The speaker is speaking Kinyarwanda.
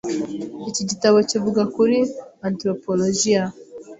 Iki gitabo kivuga kuri antropologiya.